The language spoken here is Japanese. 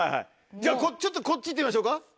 じゃあこっちちょっとこっち行ってみましょうか９位。